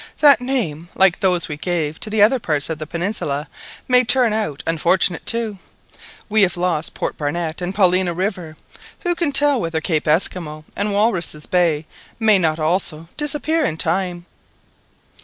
"That name, like those we gave to the other parts of the peninsula, may turn out unfortunate too. We have lost Port Barnett and Paulina River; who can tell whether Cape Esquimaux and Walruses' Bay may not also disappear in time?"